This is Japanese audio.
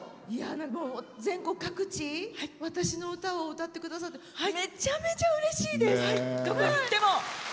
全国各地私の歌を歌ってくださってめちゃめちゃうれしいです。